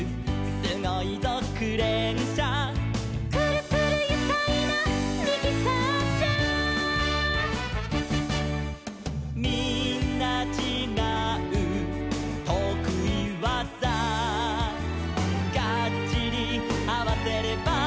「すごいぞクレーンしゃ」「くるくるゆかいなミキサーしゃ」「みんなちがうとくいわざ」「ガッチリあわせれば」